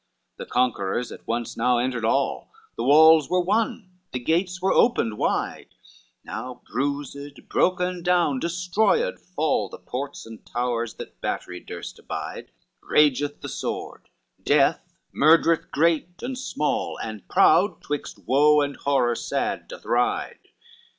CV The conquerors at once now entered all, The walls were won, the gates were opened wide, Now bruised, broken down, destroyed fall The ports and towers that battery durst abide; Rageth the sword, death murdereth great and small, And proud 'twixt woe and horror sad doth ride.